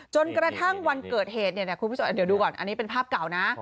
จนกระทั่งวันเกิดเหตุเนี่ยนะคุณผู้ชมเดี๋ยวดูก่อนอันนี้เป็นภาพเก่านะ